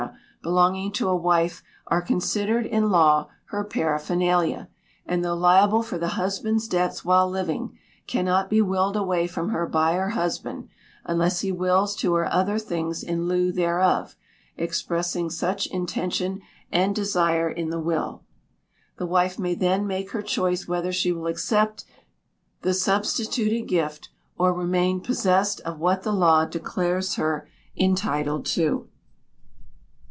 belonging to a wife are considered in law her "paraphernalia;" and though liable for the husband's debts while living, cannot be willed away from her by her husband, unless he wills to her other things in lieu thereof, expressing such intention and desire in the will. The wife may then make her choice whether she will accept the substituted gift, or remain possessed of what the law declares her entitled to.